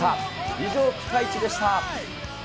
以上、ピカイチでした。